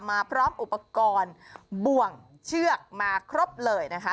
มาพร้อมอุปกรณ์บ่วงเชือกมาครบเลยนะคะ